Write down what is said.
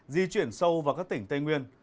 di chuyển sâu vào các tỉnh tây nguyên